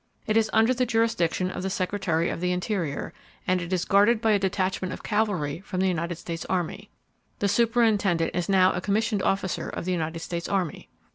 It is under the jurisdiction of the Secretary of the Interior, and it is guarded by a detachment of cavalry from the United States Army. The Superintendent is now a commissioned officer of the United States Army.